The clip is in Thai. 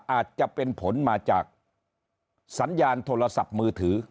อาจจะเป็นผลมาจากสัญญาณโทรศัพท์มือถือ